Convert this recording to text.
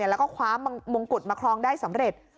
แล้วก็คว้ามงกุฎมาครองได้สำเร็จ